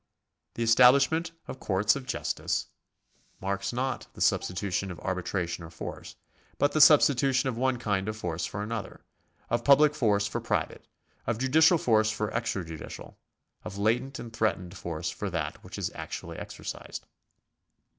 The establishment of courts of justice G 98 THE STATE [§ 36 marks not the substitution of arbitration for force, but the substitution of one kind of force for another — of public force for private, of judicial force for extrajudicial, of latent and threatened force for that which is actually exercised.